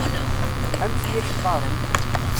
Amek i ak-qqaṛen?